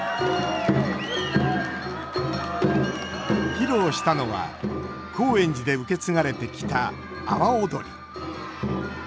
披露したのは高円寺で受け継がれてきた阿波踊り。